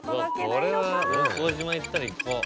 これは向島行ったら行こう。